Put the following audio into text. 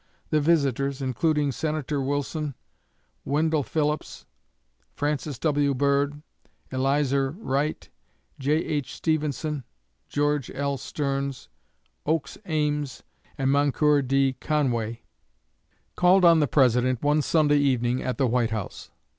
The visitors including Senator Wilson, Wendell Phillips, Francis W. Bird, Elizur Wright, J.H. Stephenson, George L. Stearns, Oakes Ames, and Moncure D. Conway called on the President one Sunday evening, at the White House.